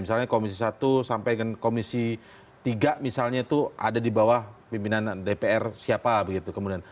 misalnya komisi satu sampai dengan komisi tiga misalnya itu ada di bawah pimpinan dpr siapa begitu kemudian